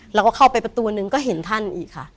เราก็เข้าไปประตูนึงก็เห็นท่านอีกค่ะ